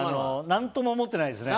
何とも思ってないですよ。